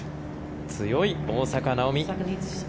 強い、大坂なおみ。